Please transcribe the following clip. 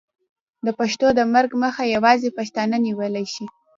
د پښتو د مرګ مخه یوازې پښتانه نیولی شي.